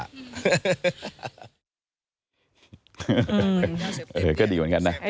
เออก็ดีเหมือนกันนะ